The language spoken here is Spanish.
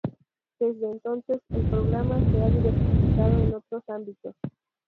Desde entonces, el programa se ha diversificado en otros ámbitos.